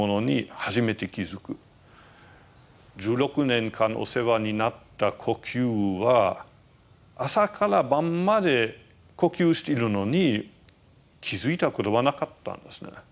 １６年間お世話になった呼吸は朝から晩まで呼吸しているのに気付いたことはなかったんですね。